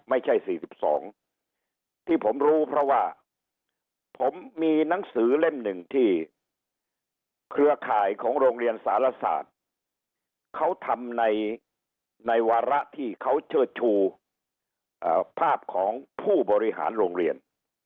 ไม่ใช่๔๒ที่ผมรู้เพราะว่าผมมีหนังสือเล่มหนึ่งที่เครือข่ายของโรงเรียนสารศาสตร์เขาทำในวาระที่เขาเชิดชูภาพของผู้บริหารโรงเรียน